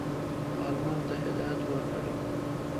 پالمر ته هدایت ورکړی وو.